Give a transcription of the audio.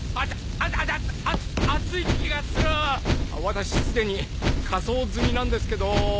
私すでに火葬済みなんですけど。